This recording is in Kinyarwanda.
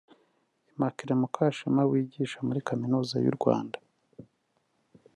Immaculee Mukashema wigisha muri Kaminuza y’u Rwanda